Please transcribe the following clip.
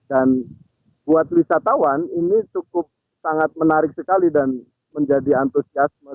dan buat wisatawan ini cukup sangat menarik sekali dan menjadi antusiasme